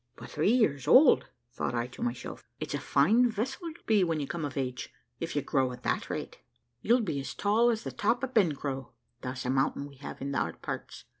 `But three years old,' thought I to myself; `it's a fine vessel you'll be when you'll come of age, if you grow at that rate: you'll be as tall as the top of Bencrow,' (that's a mountain we have in our parts).